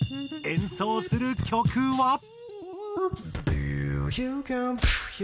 演奏する曲は。